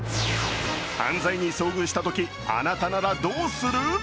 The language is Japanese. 犯罪に遭遇したとき、あなたならどうする？